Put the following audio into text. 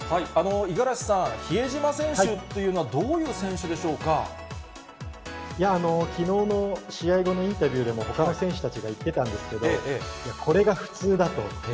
五十嵐さん、比江島選手といきのうの試合後のインタビューでも、ほかの選手たちが言ってたんですけど、いや、これが普通だと。